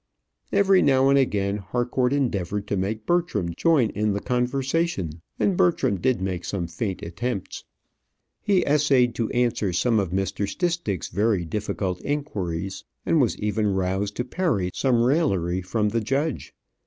Every now and again Harcourt endeavoured to make Bertram join in the conversation; and Bertram did make some faint attempts. He essayed to answer some of Mr. Stistick's very difficult inquiries, and was even roused to parry some raillery from the judge.